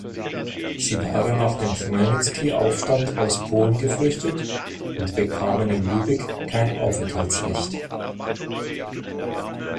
Sie waren nach dem Chmelnyzkyj-Aufstand aus Polen geflüchtet und bekamen in Lübeck kein Aufenthaltsrecht.